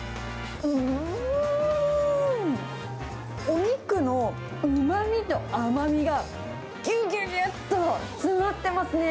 お肉のうまみと甘みがぎゅぎゅぎゅっと詰まってますね。